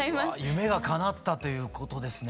夢がかなったということですね。